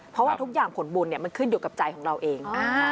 เพราะว่าทุกอย่างผลบุญมันขึ้นอยู่กับใจของเราเอง